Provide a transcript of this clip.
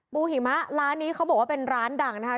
หิมะร้านนี้เขาบอกว่าเป็นร้านดังนะคะ